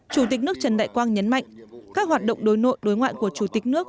chủ tịch nước trần đại quang nhấn mạnh các hoạt động đối nội đối ngoại của chủ tịch nước